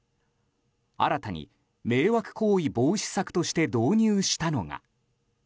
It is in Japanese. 新たに迷惑行為防止策として導入したのが。